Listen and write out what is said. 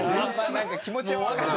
なんか気持ちはわかる。